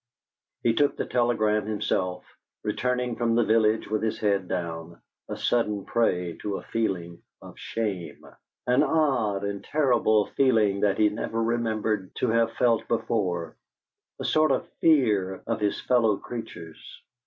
He took the telegram himself, returning from the village with his head down, a sudden prey to a feeling of shame an odd and terrible feeling that he never remembered to have felt before, a sort of fear of his fellow creatures.